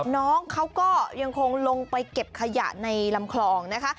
น้องเขาก็ยังคงลงไปเก็บขยะในลำคลองนะคะ